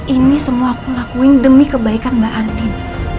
ini semua aku lakuin demi kebaikan mbak andi